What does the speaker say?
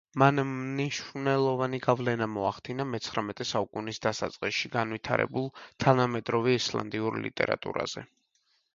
მან მნიშვნელოვანი გავლენა მოახდინა, მეცხრამეტე საუკუნის დასაწყისში განვითარებული თანამედროვე ისლანდიურ ლიტერატურაზე.